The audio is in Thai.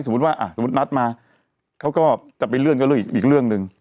ว่าสมมุตินัดมาเขาก็จะไปเลื่อนก็เรื่องอีกเรื่องหนึ่ง